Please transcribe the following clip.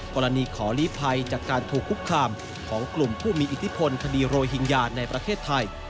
กรณีขอลีภัยจากการถูกคุกคามของกลุ่มผู้มีอิทธิพลคดีโรหิงญาในประเทศไทย